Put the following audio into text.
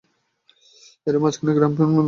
এর মাঝখানেও গ্রামোফোন।